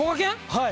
はい。